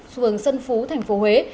phường xuân phú tp huế